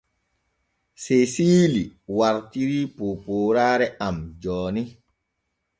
Seesiili wartirii poopooraare am jooni.